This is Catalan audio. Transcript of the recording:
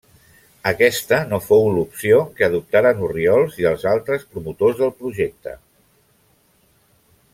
Aquesta no fou l'opció que adoptaren Orriols i els altres promotors del projecte.